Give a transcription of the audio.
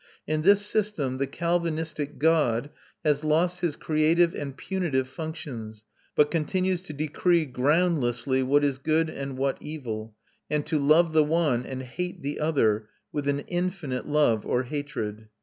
In this system the Calvinistic God has lost his creative and punitive functions, but continues to decree groundlessly what is good and what evil, and to love the one and hate the other with an infinite love or hatred.